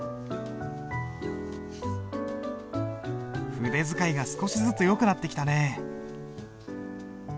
筆使いが少しずつよくなってきたね。